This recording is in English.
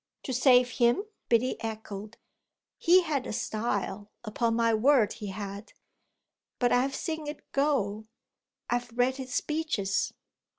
"To save him?" Biddy echoed. "He had a style, upon my word he had! But I've seen it go. I've read his speeches."